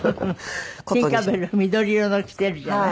ティンカー・ベル緑色の着てるじゃない？